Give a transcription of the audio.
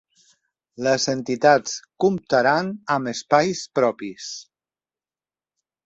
Les entitats comptaran amb espais propis.